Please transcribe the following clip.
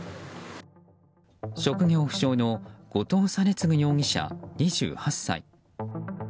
職業不詳の後藤仁乙容疑者、２８歳。